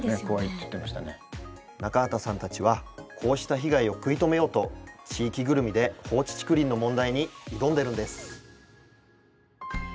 中畑さんたちはこうした被害を食い止めようと地域ぐるみで放置竹林の問題に挑んでいるんです。